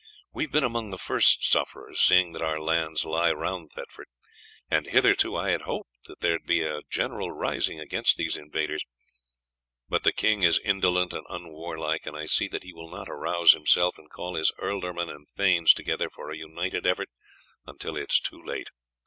We have been among the first sufferers, seeing that our lands lie round Thetford, and hitherto I have hoped that there would be a general rising against these invaders; but the king is indolent and unwarlike, and I see that he will not arouse himself and call his ealdormen and thanes together for a united effort until it is too late.